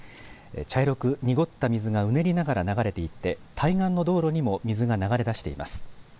茶色く濁った水がうねりながら流れていて対岸の道路にも水が流れ出しています。